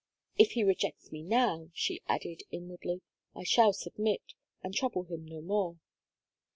"If he rejects me now," she added, inwardly, "I shall submit, and trouble him no more."